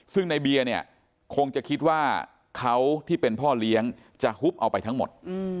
ซึ่งในเบียร์เนี่ยคงจะคิดว่าเขาที่เป็นพ่อเลี้ยงจะฮุบเอาไปทั้งหมด